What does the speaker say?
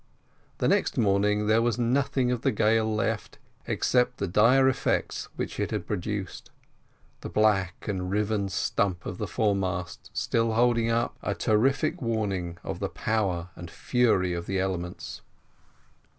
The next morning there was nothing of the gale left except the dire effects which it had produced, the black and riven stump of the foremost still holding up a terrific warning of the power and fury of the elements.